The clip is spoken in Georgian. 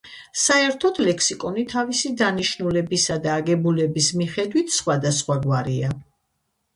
საერთოდ, ლექსიკონი თავისი დანიშნულებისა და აგებულების მიხედვით სხვადასხვაგვარია.